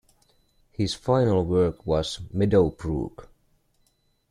His final work was "Meadow Brook".